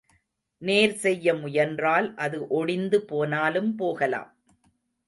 நேர் செய்ய முயன்றால் அது ஒடிந்து போனாலும் போகலாம்.